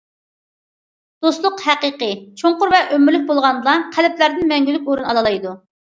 دوستلۇق ھەقىقىي، چوڭقۇر ۋە ئۆمۈرلۈك بولغاندىلا، قەلبلەردىن مەڭگۈلۈك ئورۇن ئالالايدۇ.